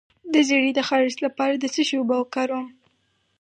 د زیړي د خارښ لپاره د څه شي اوبه وکاروم؟